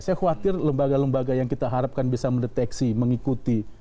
saya khawatir lembaga lembaga yang kita harapkan bisa mendeteksi mengikuti